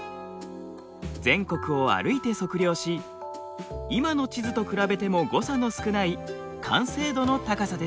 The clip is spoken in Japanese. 全国を歩いて測量し今の地図と比べても誤差の少ない完成度の高さです。